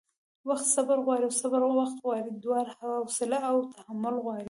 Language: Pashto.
وخت صبر غواړي او صبر وخت غواړي؛ دواړه حوصله او تحمل غواړي